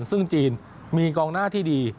ซึ่งจีนมีกองหน้าที่ดี